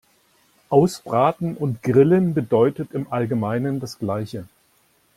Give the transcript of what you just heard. Ausbraten und grillen bedeuten im Allgemeinen das gleiche.